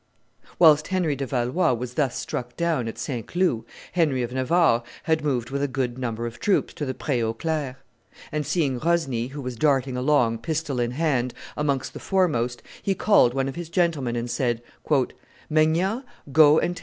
Whilst Henry de Valois was thus struck down at St. Cloud, Henry of Navarre had moved with a good number of troops to the Pre aux Clercs; and seeing Rosny, who was darting along, pistol in hand, amongst the foremost, he called one of his gentlemen and said, "Maignan, go and tell M.